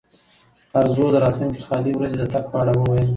ارزو د راتلونکې خالي ورځې د تګ په اړه وویل.